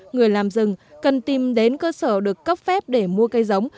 người làm rừng cần tìm đến cơ sở được cấp phép để mua cây giống